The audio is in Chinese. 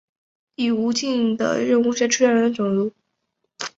以下为无尽的任务所出现的种族。